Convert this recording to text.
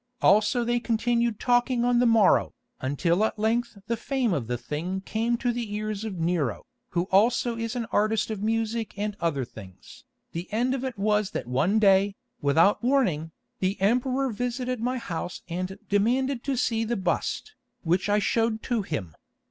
Also they continued talking on the morrow, until at length the fame of the thing came to the ears of Nero, who also is an artist of music and other things. The end of it was that one day, without warning, the Emperor visited my house and demanded to see the bust, which I showed to him.